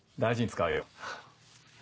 賢二大事に使うよ。